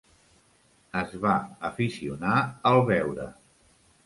Es va aficionar al beure.